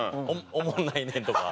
「おもんないねん」とか。